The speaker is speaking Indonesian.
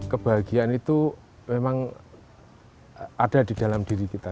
kebahagiaan itu memang ada di dalam diri kita